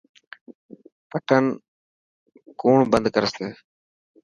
بٽن ڪوڻ بندي ڪرسي.